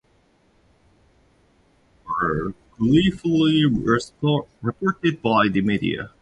His remarks were gleefully reported by the media.